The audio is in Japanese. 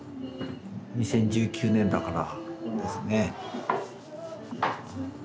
２０１９年だからそうですね。